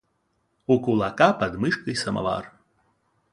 У кулака под мышкой самовар.